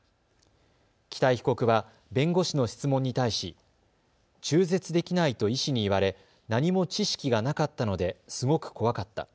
北井被告は弁護士の質問に対し中絶できないと医師に言われ何も知識がなかったのですごく怖かった。